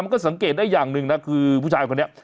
ก็สังเกตได้อย่างหนึ่งนะคือผู้ชายคนนี้